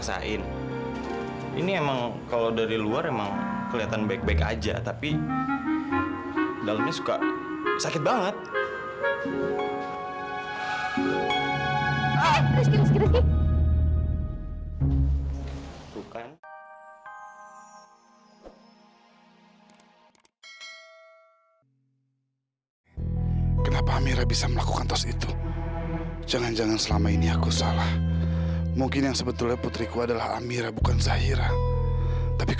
sampai jumpa di video selanjutnya